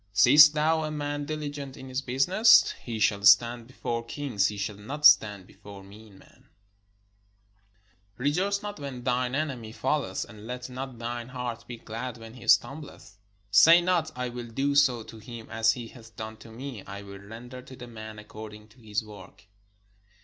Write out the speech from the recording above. Seest thou a man diligent in his business? he shall stand before kings; he shall not stand before mean men. 569 PALESTINE Rejoice not when thine enemy falleth, and let not thine heart be glad when he stumbleth : Say not, I will do so to him as he hath done to me : I will render to the man according to his work.